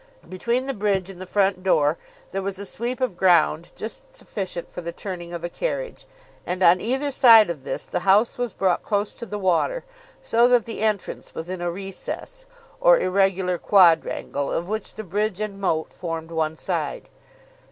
Between the bridge and the front door there was a sweep of ground just sufficient for the turning of a carriage, and on either side of this the house was brought close to the water, so that the entrance was in a recess, or irregular quadrangle, of which the bridge and moat formed one side.